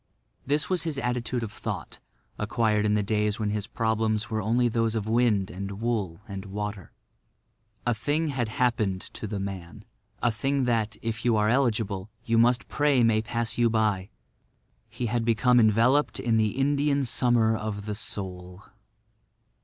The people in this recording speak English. This was his attitude of thought, acquired in the days when his problems were only those of wind and wool and water. A thing had happened to the man—a thing that, if you are eligible, you must pray may pass you by. He had become enveloped in the Indian Summer of the Soul.